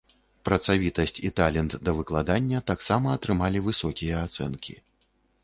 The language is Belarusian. Працавітасць і талент да выкладання таксама атрымалі высокія ацэнкі.